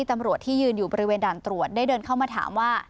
ตำรวจที่ยืนอยู่บริเวณด่านตรวจได้เดินเข้ามาถามว่า